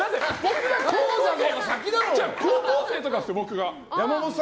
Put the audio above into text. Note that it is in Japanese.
高校生とかですよ、僕が。